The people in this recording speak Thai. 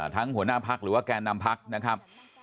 ทั้งหัวหน้าพลักษณ์หรือว่าแก่นนำพลักษณ์นะครับ